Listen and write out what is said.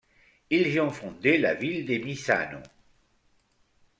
Ils y ont fondé la ville de Misano.